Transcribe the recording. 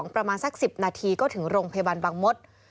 ประมาณสัก๑๐นาทีก็ถึงโรงพยาบาลบางมศ